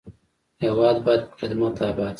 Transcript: هېواد باید په خدمت اباد شي.